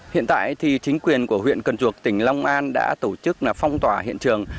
hiện tại thì chính quyền của huyện cần duộc tỉnh long an đã tổ chức phong tỏa hiện trường